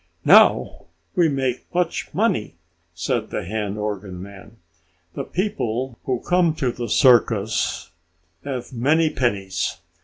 "Now we make much money!" said the hand organ man. "The people who come to the circus have many pennies.